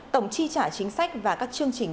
tổng chi trả chính sách và các chương trình